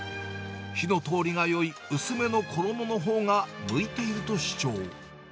火の通りがよい薄めの衣のほうが向いていると主張。